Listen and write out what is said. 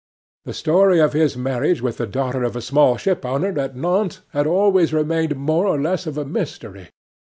The story of his marriage with the daughter of a small shipowner at Nantes had always remained more or less of a mystery.